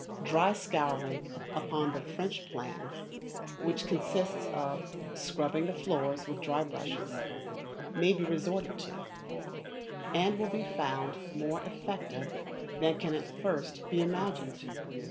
Dry scouring upon the French plan, which consists of scrubbing the floors with dry brushes, may be resorted to, and will be found more effective than can at first be imagined.